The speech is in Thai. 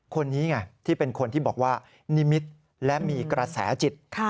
คนนี้ไงที่เป็นคนที่บอกว่านิมิตรและมีกระแสจิต